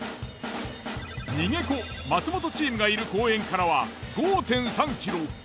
逃げ子松本チームがいる公園からは５．３ｋｍ。